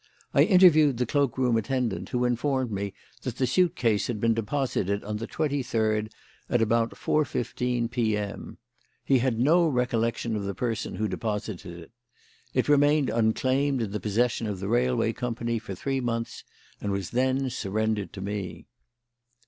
I interviewed the cloak room attendant, who informed me that the suit case had been deposited on the twenty third at about 4.15 P.M. He had no recollection of the person who deposited it. It remained unclaimed in the possession of the railway company for three months, and was then surrendered to me."